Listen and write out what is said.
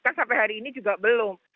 kan sampai hari ini juga belum